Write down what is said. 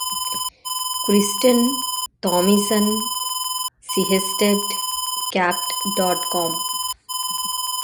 Christen Thomesen Sehested; capt dot com.